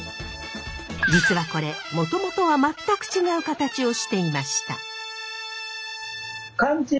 実はこれもともとは全く違う形をしていました。